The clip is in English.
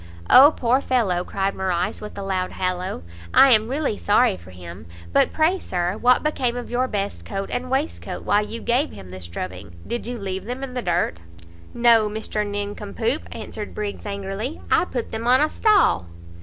"O poor fellow!" cried Morrice with a loud hallow, "I am really sorry for him. But pray, Sir, what became of your best coat and waistcoat while you gave him this drubbing? did you leave them in the dirt?" "No, Mr Nincompoop," answered Briggs angrily, "I put them on a stall."